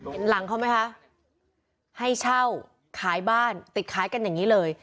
เห็นหลังเขาไหมคะให้เช่าขายบ้านติดขายกันอย่างนี้เลย